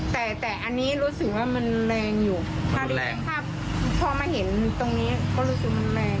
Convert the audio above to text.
แต่แต่อันนี้รู้สึกว่ามันแรงอยู่ถ้าแรงถ้าพอมาเห็นตรงนี้ก็รู้สึกมันแรง